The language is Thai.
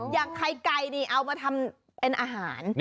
อย่างไข่ไก่นี่เอามาทำเป็นอาหาร